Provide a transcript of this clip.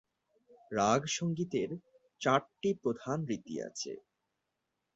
রাগ সঙ্গীতের চারটি প্রধান রীতি আছে।